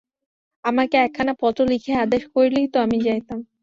আমাকে একখানা পত্র লিখিয়া আদেশ করিলেই তো আমি যাইতাম।